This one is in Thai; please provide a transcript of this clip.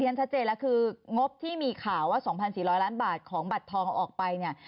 ฉันชัดเจนแล้วคืองบที่มีข่าวว่า๒๔๐๐ล้านบาทของบัตรทองออกไปเนี่ย